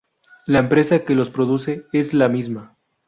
La empresa que los produce es la misma.